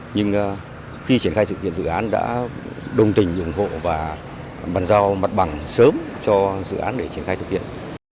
nhưng khi triển khai dự kiện dự án đã đồng tình ủng hộ và bàn giao mặt bằng sớm cho dự án để triển khai thực hiện